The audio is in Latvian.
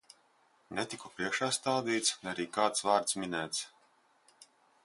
Netiku priekšā stādīts, ne arī kāds vārds minēts.